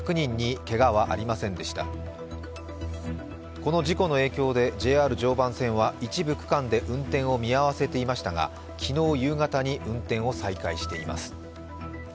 この事故の影響でＪＲ常磐線は一部区間で運転を見合わせていましたが昨日夕方に運転を再開しています。